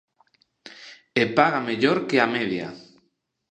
E paga mellor que a media.